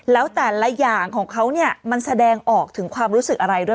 แล้วแต่ละอย่างของเขาเนี่ยมันแสดงออกถึงความรู้สึกอะไรด้วย